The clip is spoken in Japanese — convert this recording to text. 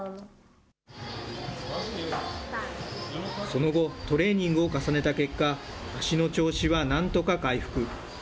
その後、トレーニングを重ねた結果、足の調子はなんとか回復。